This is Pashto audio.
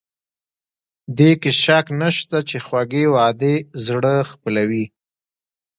دې کې شک نشته چې خوږې وعدې زړه خپلوي.